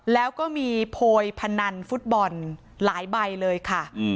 แล้วก็มีโพยพนันฟุตบอลหลายใบเลยค่ะ